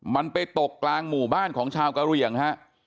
มันไปตกกลางหมู่บ้านของชาวกะเหลี่ยงฮะ